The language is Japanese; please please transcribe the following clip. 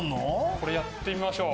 これやってみましょう。